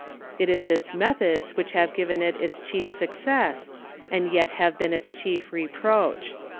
It is its methods which have given it its chief success, and yet have been its chief reproach.